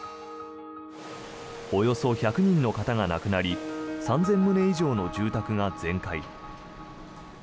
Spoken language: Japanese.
およそ１００人の方が亡くなり３０００棟以上の住宅が全壊。